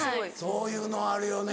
そういうのあるよね